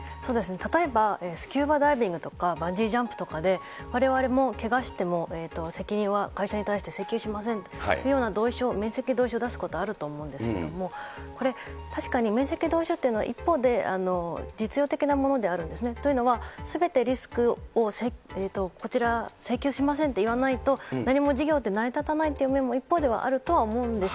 例えば、スキューバダイビングとか、バンジージャンプとかで、われわれもけがしても責任は会社に対して請求しませんというような同意書、免責同意書を出すことあると思うんですけれども、これ、確かに免責同意書っていうのは一方で、実用的なものであるんですね。というのは、すべてリスクを、こちら、請求しませんって言わないと、何も事業って成り立たないっていう面も一方ではあるとは思うんです。